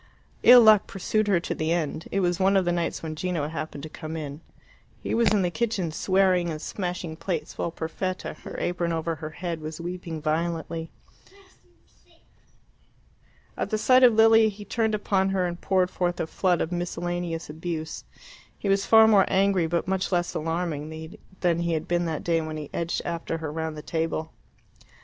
Ill luck pursued her to the end. It was one of the nights when Gino happened to come in. He was in the kitchen, swearing and smashing plates, while Perfetta, her apron over her head, was weeping violently. At the sight of Lilia he turned upon her and poured forth a flood of miscellaneous abuse. He was far more angry but much less alarming than he had been that day when he edged after her round the table.